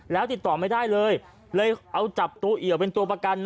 แล้วติดต่อไม่ได้เลยเลยเอาจับตัวเอี่ยวเป็นตัวประกัน